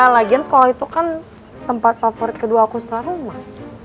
lagian sekolah itu kan tempat favorit kedua aku setelah rumah